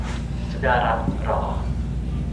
สุดารัตน์เหรอ